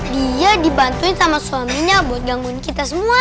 dia dibantuin sama suaminya buat gangguin kita semua